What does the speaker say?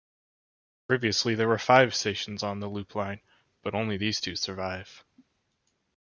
Previously there were five stations on the loop line, but only these two survive.